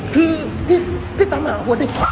คือพี่ตามหาหัวเด็ก